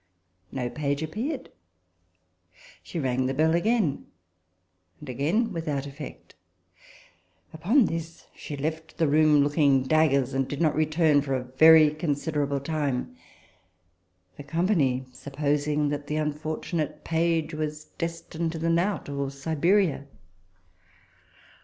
No page appeared. She rang the bell again ; and again without effect. Upon this, she left the room, looking daggers, and did not return for a very con siderable time ; the company supposing that the unfortunate page was destined to the knout or Siberia.